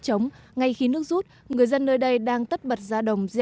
trống ngay khi nước rút người dân nơi đây đang tất bật ra đồng